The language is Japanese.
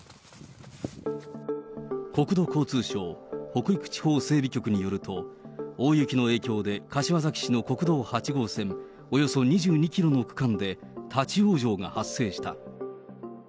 国土交通省北陸地方整備局によると、大雪の影響で柏崎市の国道８号線およそ２２キロの区間で、立往生が発生した。